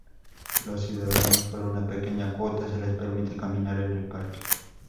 Los ciudadanos por una pequeña cuota se les permite caminar en el parque.